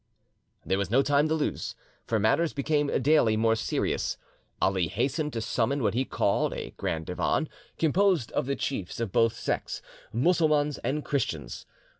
There was no time to lose, for matters became daily more serious. Ali hastened to summon what he called a Grand Divan, composed of the chiefs of both sects, Mussulmans and Christians.